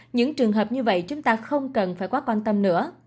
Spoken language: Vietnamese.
những trường hợp như vậy chúng ta không cần phải quá quan tâm nữa